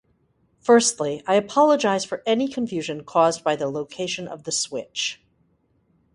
Firstly, I apologize for any confusion caused by the location of the switch.